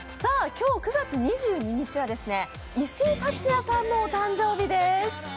今日９月２２日は石井竜也さんのお誕生日です。